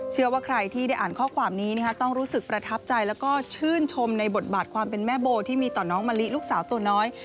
เชื่อว่าใครที่ได้อ่านข้อความนี้ต้องรู้สึกประทับใจแล้วก็ชื่นชมในบทบาทความเป็นแม่โบที่มีต่อน้องมะลิลูกสาวตัวน้อย